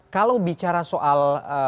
kalau bicara soal